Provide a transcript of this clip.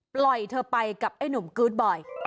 ปล่อยเธอไปกับไอ้หนุ่มกื๊ดบ่อย